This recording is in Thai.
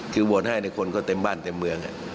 คือโหวตให้คนก็เต็มบ้านเต็มเมือง